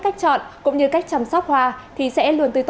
không thể thiếu